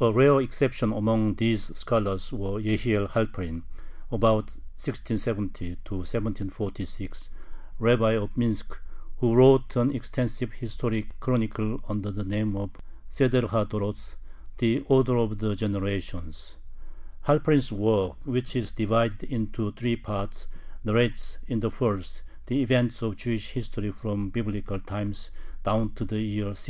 A rare exception among these scholars was Jehiel Halperin (ab. 1670 1746), rabbi of Minsk, who wrote an extensive historic chronicle under the name of Seder ha Doroth, "The Order of the Generations." Halperin's work, which is divided into three parts, narrates in the first the events of Jewish history from Biblical times down to the year 1696.